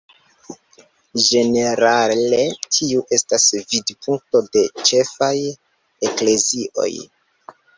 Ĝenerale tiu estas vidpunkto de ĉefaj eklezioj.